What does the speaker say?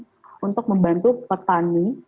banyak yang juga dikutuk petani